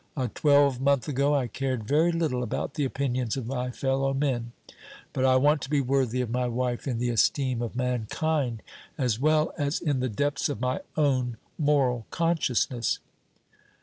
A twelvemonth ago I cared very little about the opinions of my fellow men; but I want to be worthy of my wife in the esteem of mankind, as well as in the depths of my own moral consciousness."